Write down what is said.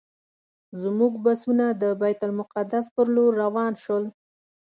زموږ بسونه د بیت المقدس پر لور روان شول.